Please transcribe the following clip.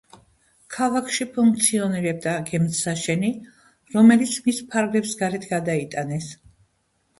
ქალაქში ფუნქციონირებდა გემთსაშენი, რომელიც მის ფარგლებს გარეთ გადაიტანეს.